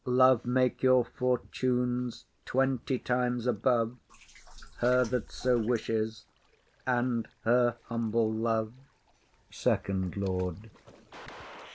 Love make your fortunes twenty times above Her that so wishes, and her humble love! SECOND LORD.